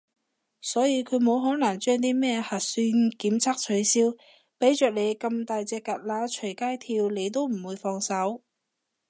所以佢冇可能將啲咩核算檢測取消，畀着你咁大隻蛤乸隨街跳你都唔會放手